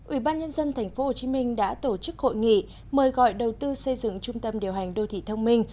ủy ban nhân dân tp hcm đã tổ chức hội nghị mời gọi đầu tư xây dựng trung tâm điều hành đô thị thông minh